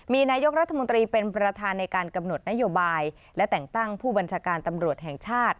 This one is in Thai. มีนายกรัฐมนตรีเป็นประธานในการกำหนดนโยบายและแต่งตั้งผู้บัญชาการตำรวจแห่งชาติ